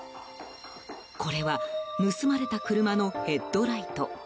これは盗まれた車のヘッドライト。